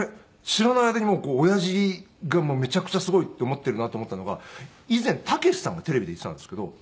知らない間に親父がめちゃくちゃすごいって思ってるなと思ったのが以前たけしさんがテレビで言ってたんですけど。